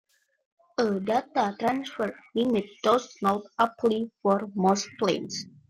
A data transfer limit does not apply for most plans.